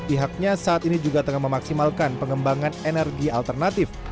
pihaknya saat ini juga tengah memaksimalkan pengembangan energi alternatif